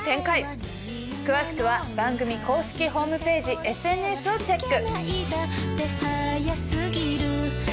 詳しくは番組公式ホームページＳＮＳをチェック。